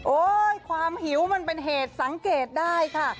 ความหิวมันเป็นเหตุสังเกตได้ค่ะ